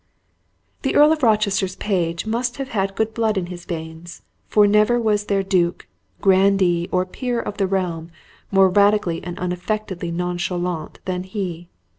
The Earl of Rochester's page must have had good blood in his veins; for never was there duke, grandee, or peer of the realm, more radically and unaffectedly nonchalant than he.